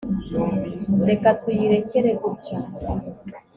reka tuyirekere gutya